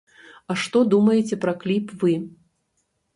А што думаеце пра кліп вы?